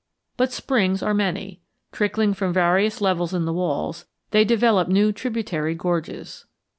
But springs are many. Trickling from various levels in the walls, they develop new tributary gorges.